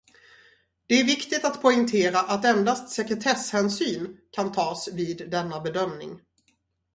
Det är viktigt att poängtera att endast sekretesshänsyn kan tas vid denna bedömning.